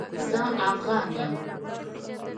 زه افغان يم